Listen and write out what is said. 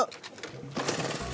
dah naik dah